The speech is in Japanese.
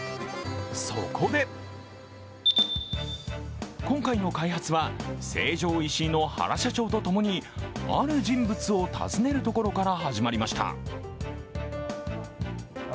そこで今回の開発は成城石井の原社長とともにある人物を訪ねるところから始まりました。